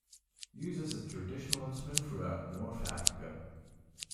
Used as a traditional instrument throughout North Africa.